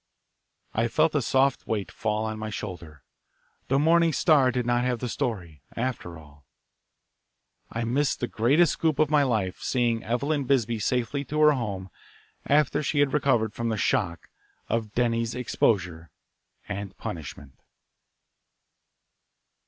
I felt a soft weight fall on my shoulder. The Morning Star did not have the story, after all. I missed the greatest "scoop" of my life seeing Eveline Bisbee safely to her home after she had recovered from the shock of Denny's exposure and punishment.